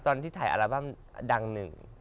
ตอนที่ถ่ายอัลบั้มดังหนึ่ง